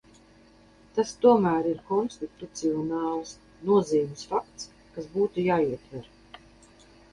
Tas tomēr ir konstitucionālas nozīmes fakts, kas būtu jāietver.